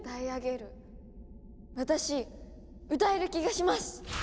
私歌える気がします！